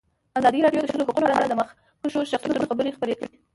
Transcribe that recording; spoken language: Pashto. ازادي راډیو د د ښځو حقونه په اړه د مخکښو شخصیتونو خبرې خپرې کړي.